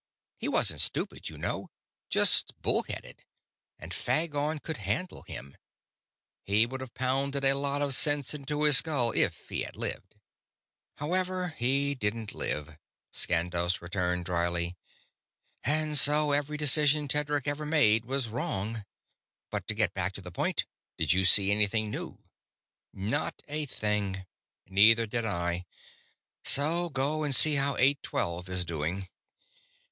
He wasn't stupid, you know; just bull headed, and Phagon could handle him. He would have pounded a lot of sense into his skull, if he had lived."_ _"However, he didn't live," Skandos returned dryly, "and so every decision Tedric ever made was wrong. But to get back to the point, did you see anything new?"_ "Not a thing." _"Neither did I. So go and see how eight twelve is doing."